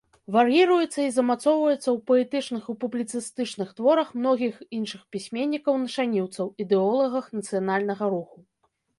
Вар'іруецца і замацоўваецца ў паэтычных і публіцыстычных творах многіх іншых пісьменнікаў-нашаніўцаў, ідэолагаў нацыянальнага руху.